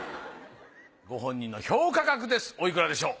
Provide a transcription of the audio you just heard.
ご本人の評価額です！おいくらでしょう？